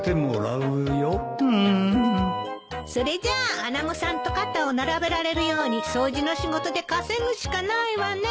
うーんそれじゃあ穴子さんと肩を並べられるように掃除の仕事で稼ぐしかないわね。